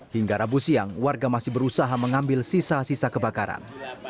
hingga rabu siang warga masih berusaha mengambil sisa sisa kebakaran